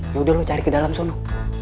yaudah lo cari ke dalam sono